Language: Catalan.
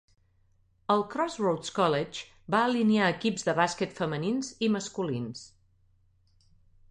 El Corssroads College va alinear equips de bàsquet femenins i masculins.